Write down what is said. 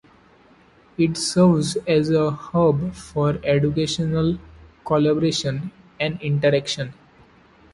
It serves as a hub for educational collaboration and interaction.